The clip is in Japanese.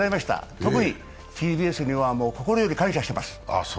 特にＴＢＳには心より感謝しています。